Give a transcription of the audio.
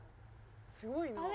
すごいな。